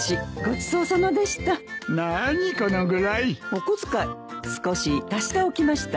お小遣い少し足しておきましたよ。